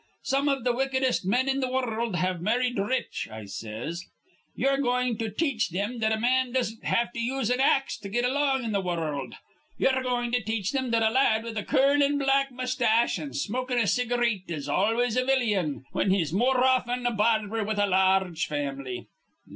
'Some iv th' wickedest men in th' wurruld have marrid rich,' I says. 'Ye're goin' to teach thim that a man doesn't have to use an ax to get along in th' wurruld. Ye're goin' to teach thim that a la ad with a curlin' black mustache an' smokin' a cigareet is always a villyan, whin he's more often a barber with a lar rge family.